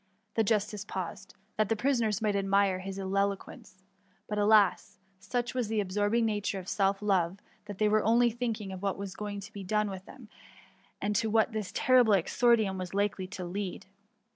^ The justice paused, that the prisoners might admire his ek^ quence; but, alas! such was the absorbing na ture of self love, that they were only thinking of what was going to be .done with them, and to what this terrible exordium was likely to lead.